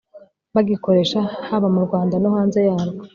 bagikoresha, haba mu rwanda no hanze yarwo